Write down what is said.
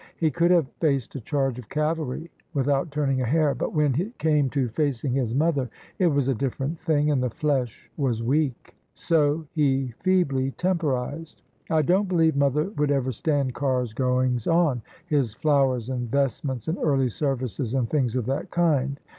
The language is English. He could have faced a charge of cavalry without turning a hair: but when it came to facing his mother it was a difFerent thing, and the flesh was weak. So he feebly temporised. " I don't believe mother ^would ever stand Carr's goings on — ^his flowers and vestments and early services, and things of that kind."